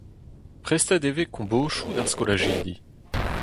Prestet e vez kombodoù d'ar skolajidi.